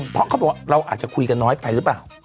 เพราะเขาบอกว่าเราอาจจะคุยกันน้อยไปหรือเปล่า